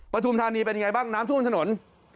ทุมธานีเป็นยังไงบ้างน้ำท่วมถนน